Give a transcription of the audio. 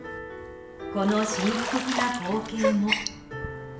この神秘的な光景も。